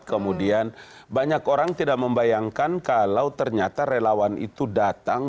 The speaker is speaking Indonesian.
kemudian banyak orang tidak membayangkan kalau ternyata relawan itu datang